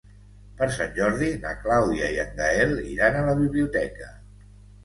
Per Sant Jordi na Clàudia i en Gaël iran a la biblioteca.